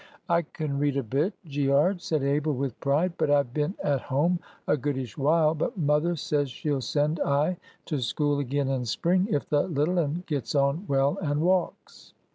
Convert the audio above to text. "I can read a bit, Gearge," said Abel, with pride; "but I've been at home a goodish while; but mother says she'll send I to school again in spring, if the little un gets on well and walks."